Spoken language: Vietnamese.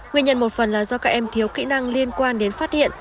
nguyên nhân một phần là do các em thiếu kỹ năng liên quan đến phát hiện